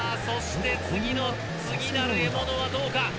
そして次の次なる獲物はどうか？